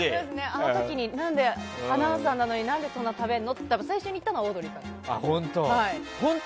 あの時に、アナウンサーなのに何でそんな食べるのって言ったのはオードリーさんなんです。